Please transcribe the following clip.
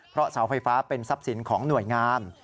เพราะเสาไฟฟ้าเป็นทรัพย์สินของหน่วยงาน